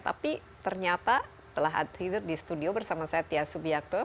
tapi ternyata telah hadir di studio bersama saya tia subiakto